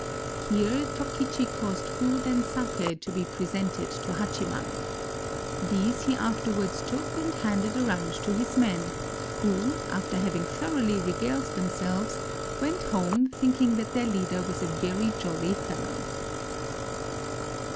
Here Tokichi caused food and sake to be presented to Hachiman. These he afterwards took and handed 335 JAPAN around to his men, who, after having thoroughly re galed themselves, went home thinking that their leader was a very jolly fellow.